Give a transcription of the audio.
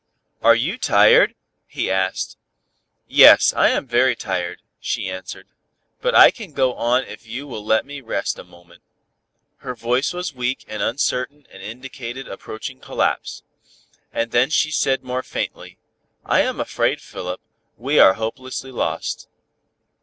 "Are you tired?" he asked. "Yes, I am very tired," she answered, "but I can go on if you will let me rest a moment." Her voice was weak and uncertain and indicated approaching collapse. And then she said more faintly, "I am afraid, Philip, we are hopelessly lost."